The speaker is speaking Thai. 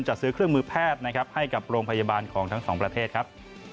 จะซื้อเครื่องมือแพทย์นะครับให้กับโรงพยาบาลของทั้งสองประเทศครับ